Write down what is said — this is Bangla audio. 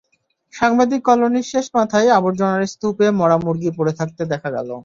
সাংবাদিক কলোনির শেষ মাথায় আবর্জনার স্তূপে মরা মুরগি পড়ে থাকতে দেখা গেল।